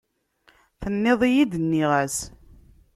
Tenniḍ-iyi-d, nniɣ-as.